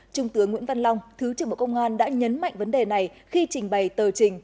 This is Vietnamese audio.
trung tướng nguyễn văn long thứ trưởng bộ công an đã nhấn mạnh vấn đề này khi trình bày tờ trình